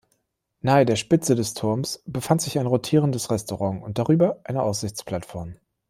Nahe der Spitze des Turms befand sich ein rotierendes Restaurant und darüber eine Aussichtsplattform.